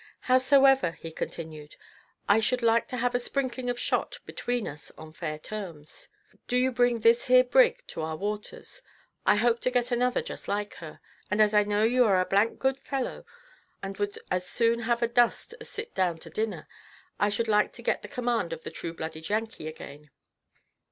"Howsoever," he continued, "I should like to have a sprinkling of shot between us on fair terms. Do you bring this here brig to our waters; I hope to get another just like her, and as I know you are a d d good fellow, and would as soon have a dust as sit down to dinner, I should like to try to get the command of the True blooded Yankee again."